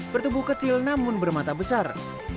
bertubuh kecil namun bermata besar